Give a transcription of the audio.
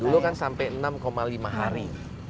dulu kan sampai enam lima hari